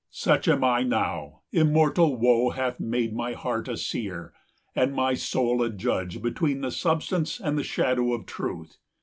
Such am I now: immortal woe hath made My heart a seer, and my soul a judge 145 Between the substance and the shadow of Truth.